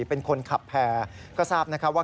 เป็นคนขับแพร่ก็ทราบนะครับว่า